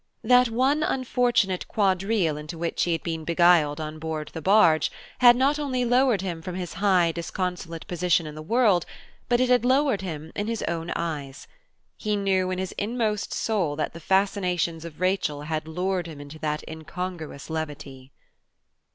That one unfortunate quadrille into which he had been beguiled on board the barge had not only lowered him from his high, disconsolate position in the world, but it had lowered him in his own eyes. He knew in his inmost soul, that the fascinations of Rachel had lured him into that incongruous levity.